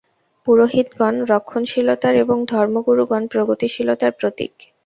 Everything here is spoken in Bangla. পুরোহিতগণ রক্ষণশীলতার এবং ধর্মগুরুগণ প্রগতিশীলতার প্রতীক।